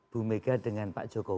bu mega dengan pak jokowi